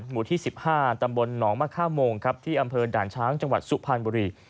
หมู่ที่๑๕ตำบลหนองมะค่าโมงครับที่อำเภอด่านช้างจังหวัดสุพรรณบุรี